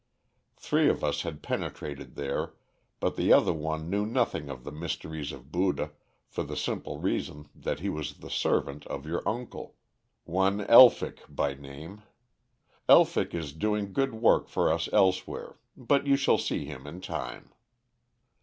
Three of us had penetrated there, but the other one knew nothing of the mysteries of Buddha, for the simple reason that he was the servant of your uncle one Elphick by name. Elphick is doing good work for us elsewhere, but you shall see him in time.